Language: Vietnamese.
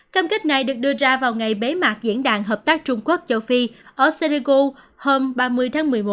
cam kết này được đưa ra vào ngày bế mạc diễn đàn hợp tác trung quốc châu phi ở senego hôm ba mươi tháng một mươi một